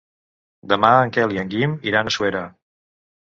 Demà en Quel i en Guim iran a Suera.